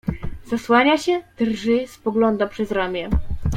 "Zasłania się, drży, spogląda przez ramię."